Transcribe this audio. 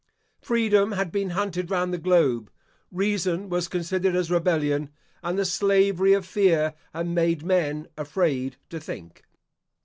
Freedom had been hunted round the globe; reason was considered as rebellion; and the slavery of fear had made men afraid to think.